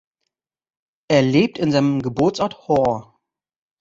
Er lebt in seinem Geburtsort Horw.